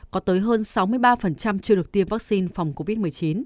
có tới hơn sáu mươi ba chưa được tiêm vaccine phòng covid một mươi chín